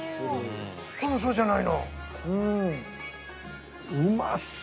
これもそうじゃないの。